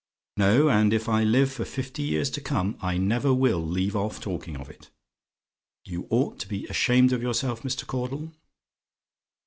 No: and if I live for fifty years to come, I never will leave off talking of it. You ought to be ashamed of yourself, Mr. Caudle.